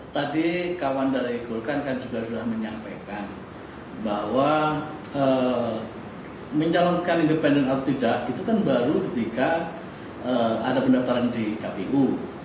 tadi kawan dari golkar kan juga sudah menyampaikan bahwa mencalonkan independen atau tidak itu kan baru ketika ada pendaftaran di kpu